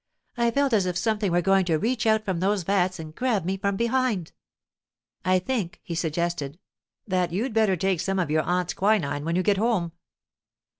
I felt as if something were going to reach out from those vats and grab me from behind.' 'I think,' he suggested, 'that you'd better take some of your aunt's quinine when you get home.